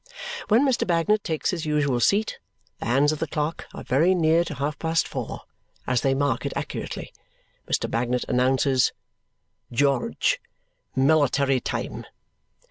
When Mr. Bagnet takes his usual seat, the hands of the clock are very near to half past four; as they mark it accurately, Mr. Bagnet announces, "George! Military time."